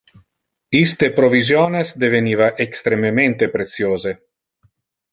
Iste provisiones deveniva extrememente preciose.